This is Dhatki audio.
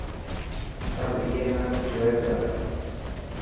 سڀ اي نا جوئي پيا.